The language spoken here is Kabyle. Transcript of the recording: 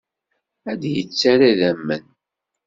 Ad d-yettarra idammen.